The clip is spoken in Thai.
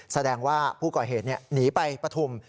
แสดงว่าผู้ก่อเหตุหนีไปปฐุม